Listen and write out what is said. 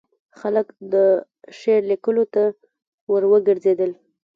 خلک د شعر لیکلو ته وروګرځېدل.